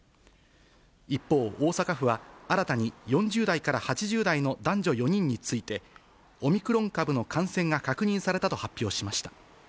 一方、大阪府は新たに４０代から８０代の男女４人について、オミクロン株の感染が確認されたと発表しました。